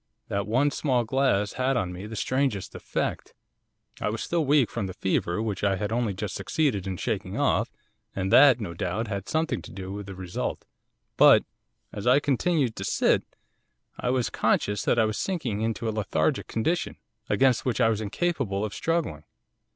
That one small glass had on me the strangest effect. I was still weak from the fever which I had only just succeeded in shaking off, and that, no doubt, had something to do with the result. But, as I continued to sit, I was conscious that I was sinking into a lethargic condition, against which I was incapable of struggling.